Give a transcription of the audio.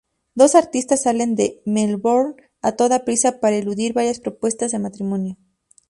Dos artistas salen de Melbourne a toda prisa para eludir varias propuestas de matrimonio.